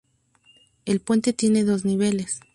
El puente tiene dos niveles.